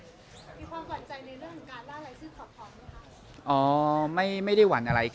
มีความก่อนใจในเรื่องการ